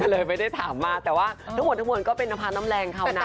เลยไม่ได้ถามมาแต่ว่าทั้งหมดก็เป็นนภาพน้ำแรงเขานะ